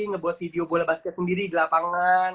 ngebut video bola basket sendiri di lapangan